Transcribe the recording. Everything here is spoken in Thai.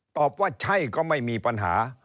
ตอบว่าใช่ก็ไม่มีปัญหา